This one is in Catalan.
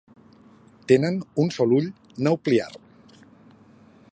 Tenen un sol ull naupliar.